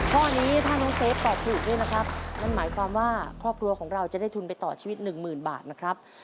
ข้อนี้ถ้าน้องเซฟตอบถูกด้วยนะครับนั่นหมายความว่าครอบครัวของเราจะได้ทุนไปต่อชีวิตหนึ่งหมื่นบาทนะครับ